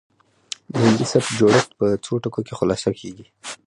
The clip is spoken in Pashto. د هندي سبک جوړښت په څو ټکو کې خلاصه کیږي